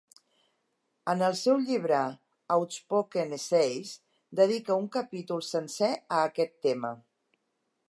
En el seu llibre "Outspoken Essays" dedica un capítol sencer a aquest tema.